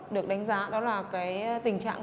được đánh giá đó là cái tình trạng